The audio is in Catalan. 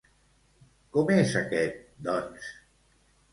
Com és aquest, doncs?